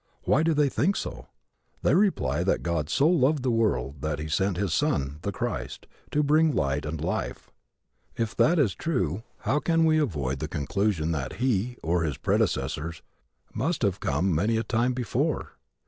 Why do they think so? They reply that God so loved the world that he sent his Son, the Christ, to bring it light and life. If that is true how can we avoid the conclusion that He, or his predecessors, must have come many a time before?